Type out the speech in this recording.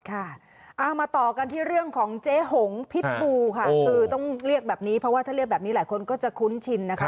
เอามาต่อกันที่เรื่องของเจ๊หงพิษบูค่ะคือต้องเรียกแบบนี้เพราะว่าถ้าเรียกแบบนี้หลายคนก็จะคุ้นชินนะคะ